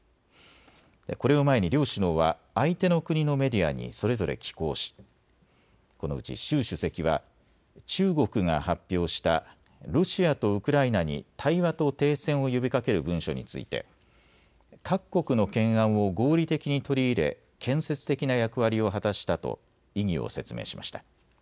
これを前に両首脳は相手の国のメディアにそれぞれ寄稿しこのうち習主席は中国が発表したロシアとウクライナに対話と停戦を呼びかける文書について各国の懸案を合理的に取り入れ建設的な役割を果たしたと意義を説明しました。